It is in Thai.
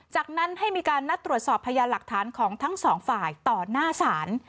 จากนั้นให้มีการนัดตรวจสอบพยานหลักฐานของทั้งสองฝ่ายต่อหน้าศาล